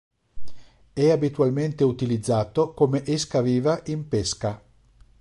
È abitualmente utilizzato come esca viva in pesca.